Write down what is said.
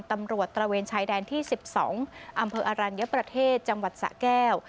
ตระเวนชายแดนที่๑๒อำเภออรัญญประเทศจังหวัดสะแก้ว